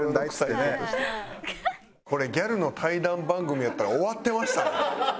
これギャルの対談番組やったら終わってましたね。